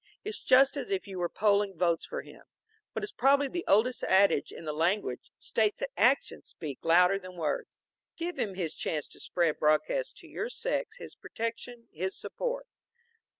It's just as if you were polling votes for him. What is probably the oldest adage in the language, states that actions speak louder than words. Give him his chance to spread broadcast to your sex his protection, his support.